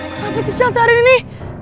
kenapa sih siya sehari ini